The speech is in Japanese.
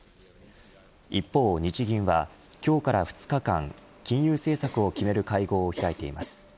一方、日銀は今日から２日間金融政策を決める会合を開いています。